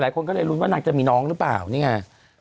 หลายคนก็เลยลุ้นว่านางจะมีน้องหรือเปล่านี่ไง